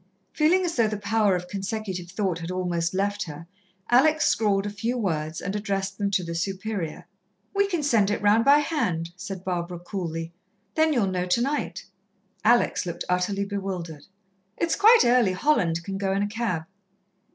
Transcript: Feeling as though the power of consecutive thought had almost left her, Alex scrawled a few words and addressed them to the Superior. "We can send it round by hand," said Barbara coolly. "Then you'll know tonight." Alex looked utterly bewildered. "It's quite early Holland can go in a cab."